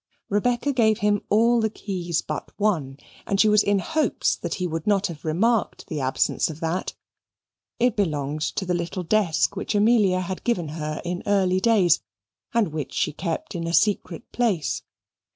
Rebecca gave him all the keys but one, and she was in hopes that he would not have remarked the absence of that. It belonged to the little desk which Amelia had given her in early days, and which she kept in a secret place.